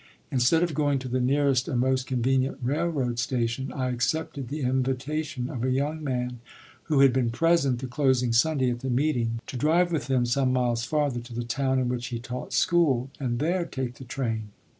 Instead of going to the nearest and most convenient railroad station, I accepted the invitation of a young man who had been present the closing Sunday at the meeting to drive with him some miles farther to the town in which he taught school, and there take the train.